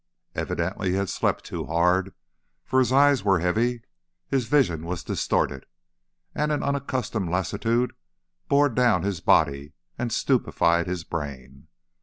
Evidently he had slept too hard, for his eyes were heavy, his vision was distorted, and an unaccustomed lassitude bore down his body and stupefied his brain.